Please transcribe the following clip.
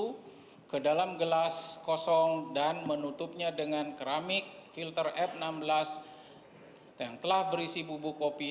hai kedalam gelas kosong dan menutupnya dengan keramik filter f enam belas yang telah berisi bubuk kopi